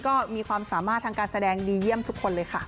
ก็มีความสามารถทางการแสดงดีเยี่ยมทุกคนเลยค่ะ